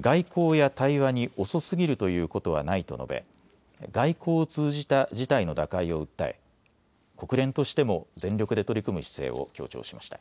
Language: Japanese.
外交や対話に遅すぎるということはないと述べ、外交を通じた事態の打開を訴え国連としても全力で取り組む姿勢を強調しました。